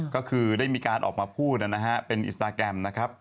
ก็คือได้มีการออกมาพูดนะฮะเป็นอินสตาแกรมนะครับ